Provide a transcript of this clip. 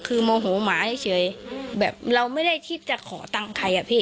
คือโมโหหมาเฉยแบบเราไม่ได้คิดจะขอตังค์ใครอ่ะพี่